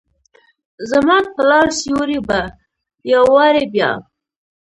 زماد پلار سیوری به ، یو وارې بیا،